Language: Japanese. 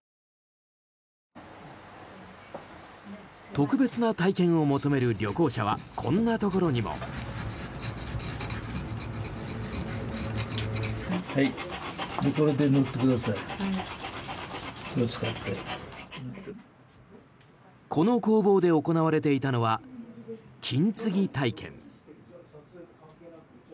特別な体験を求める旅行者はこんなところにも。この工房で行われていたのは金継ぎ体験。